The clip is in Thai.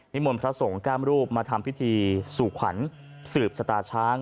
นิมวลพระส่งกล้ามรูปมาทำพิธีสู่ขวัญสืบสตาช้าง